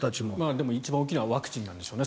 でも、一番大きいのはワクチンなんでしょうね。